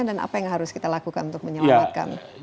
dan apa yang harus kita lakukan untuk menyelamatkan